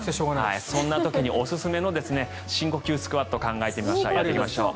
そんな時におすすめの深呼吸スクワットをやっていきましょう。